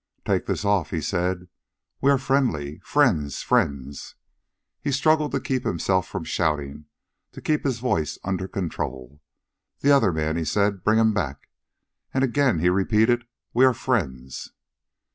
"Take this off," he said. "We are friendly friends friends!" He struggled to keep himself from shouting, to keep his voice under control. "The other man," he said, "bring him back." And again he repeated: "We are friends."